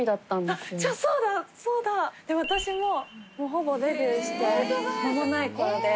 で私ももうほぼデビューして間もない頃で。